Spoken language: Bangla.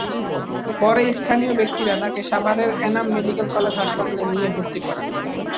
পরে স্থানীয় ব্যক্তিরা তাঁকে সাভারের এনাম মেডিকেল কলেজ হাসপাতালে নিয়ে ভর্তি করান।